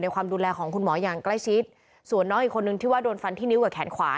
คุณตำรวจช่วยหน่อยเถอะ